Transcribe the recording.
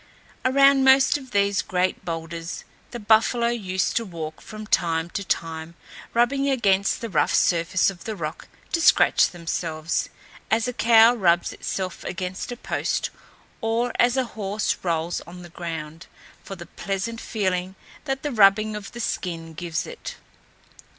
Around most of these great boulders the buffalo used to walk from time to time, rubbing against the rough surface of the rock to scratch themselves, as a cow rubs itself against a post or as a horse rolls on the ground for the pleasant feeling that the rubbing of the skin gives it.